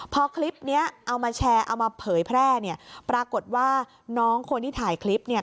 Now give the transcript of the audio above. พอคลิปนี้เอามาแชร์เอามาเผยแพร่เนี่ยปรากฏว่าน้องคนที่ถ่ายคลิปเนี่ย